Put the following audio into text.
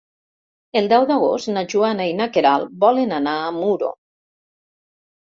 El deu d'agost na Joana i na Queralt volen anar a Muro.